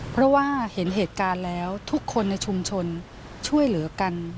เพราะว่าเห็นเหตุการณ์แล้วทุกคนในชุมชนช่วยเหลือกัน